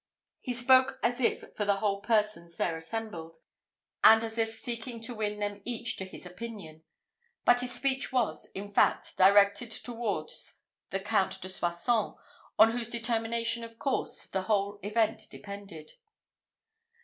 He spoke as if for the whole persons there assembled, and as if seeking to win them each to his opinion; but his speech was, in fact, directed towards the Count de Soissons, on whose determination of course the whole event depended.